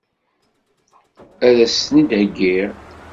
Ad as-ten-id-heggiɣ?